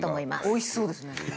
おいしそうですね。